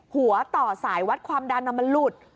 ต่อสายวัดความดันมันหลุด